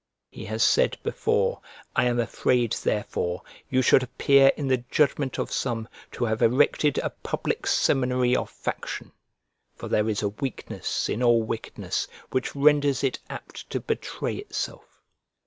He has said before: "I am afraid, therefore, you should appear in the judgment of some, to have erected a public seminary of faction: for there is a weakness in all wickedness which renders it apt to betray itself!"